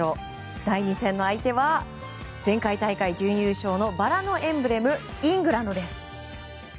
第２戦の相手は前回大会準優勝のバラのエンブレムイングランドです。